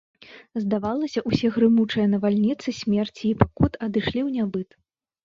Здавалася, усе грымучыя навальніцы смерці і пакут адышлі ў нябыт.